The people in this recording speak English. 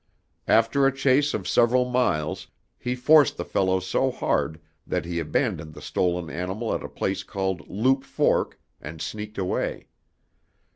After a chase of several miles, he forced the fellow so hard that he abandoned the stolen animal at a place called Loup Fork, and sneaked away.